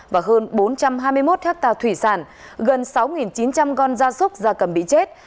và hơn bốn trăm hai mươi một hectare thủy sản gần sáu chín trăm linh con gia súc gia cầm bị chết